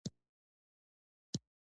او دا دی د دوی اقتصاد.